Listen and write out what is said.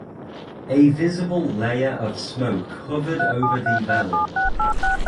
A visible layer of smoke hovered over the valley.